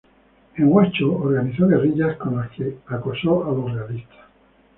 En Huacho organizó guerrillas, con las que acosó a los realistas.